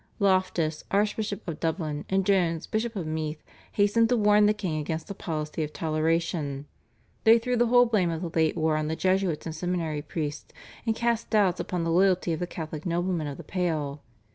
Loftus, Archbishop of Dublin, and Jones, Bishop of Meath, hastened to warn the king against a policy of toleration. They threw the whole blame of the late war on the Jesuits and seminary priests, and cast doubts upon the loyalty of the Catholic noblemen of the Pale.